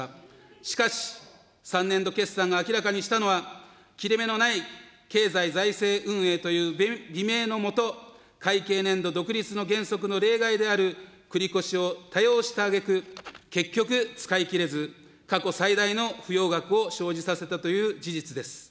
しかし、３年度決算が明らかにしたのは切れ目のない経済財政運営という美名の下、会計年度独立の原則の例外である繰り越しを多用したあげく、結局、使い切れず、過去最大の不用額を生じさせたという事実です。